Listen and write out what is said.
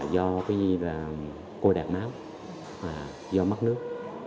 do cái gì là cô đạt máu do mắc nước